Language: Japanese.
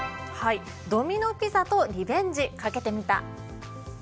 ドミノピザとリベンジかけてみた。